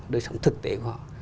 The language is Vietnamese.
đời sống thực tế của họ